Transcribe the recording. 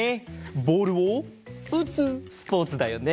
ボールをうつスポーツだよね。